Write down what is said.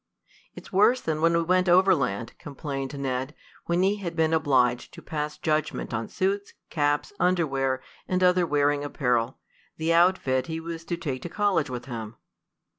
"It's worse than when we went overland," complained Ned, when he had been obliged to pass judgment on suits, caps, underwear and other wearing apparel the outfit he was to take to college with him.